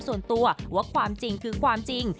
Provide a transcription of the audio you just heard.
ส่วนตัวว่าความจริงคือความจริง